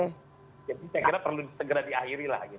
jadi saya kira perlu segera diakhiri lah